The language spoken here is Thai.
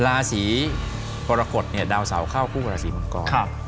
ราศีกรกฎเนี่ยดาวเสาเข้าคู่ราศีมังกร